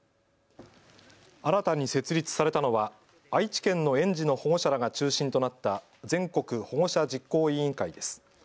新たに設立されたのは愛知県の園児の保護者らが中心となった全国保護者実行委員会です。